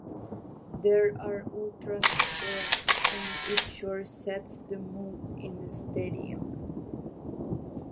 There are ultras there and it sure sets the mood in the stadium.